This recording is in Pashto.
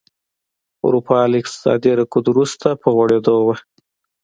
اروپا له اقتصادي رکود وروسته په غوړېدو وه.